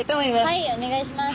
はいお願いします！